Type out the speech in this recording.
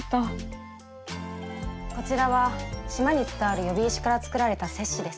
こちらは島に伝わる喚姫石から作られた鑷子です。